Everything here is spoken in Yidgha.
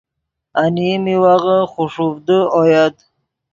انیم میوغے خوݰوڤدے اویت۔